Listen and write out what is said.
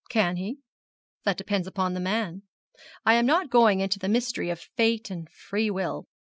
'Can he? That depends upon the man. I am not going into the mystery of fate and free will.